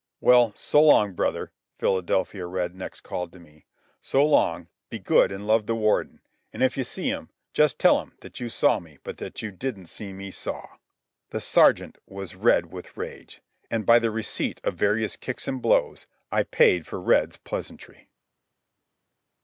"Well, so long, brother," Philadelphia Red next called to me. "So long. Be good, an' love the Warden. An' if you see 'em, just tell 'em that you saw me but that you didn't see me saw." The sergeant was red with rage, and, by the receipt of various kicks and blows, I paid for Red's pleasantry.